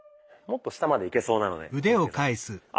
もっと下までいけそうなので浩介さん。